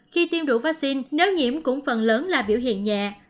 khi tiêm đủ vaccine nếu nhiễm cũng phần lớn là biểu hiện nhẹ